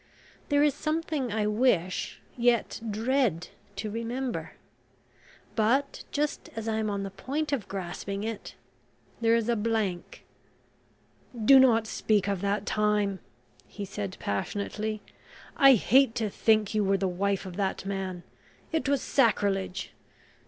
There is something I wish, yet dread, to remember but, just as I am on the point of grasping it, there is a blank." "Do not speak of that time," he said passionately. "I hate to think you were the wife of that man it was sacrilege...